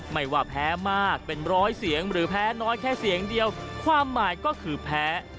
ไม่ว่าแพ้มากเป็นร้อยเสียงหรือแพ้น้อยแค่เสียงเดียวความหมายก็คือแพ้